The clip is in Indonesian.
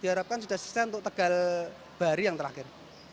diharapkan sudah selesai untuk tegal bahari yang terakhir